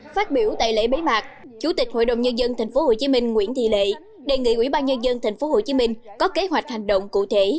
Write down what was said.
phát biểu tại lễ bế mạc chủ tịch hội đồng nhân dân tp hcm nguyễn thị lệ đề nghị ubnd tp hcm có kế hoạch hành động cụ thể